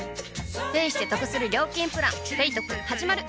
ペイしてトクする料金プラン「ペイトク」始まる！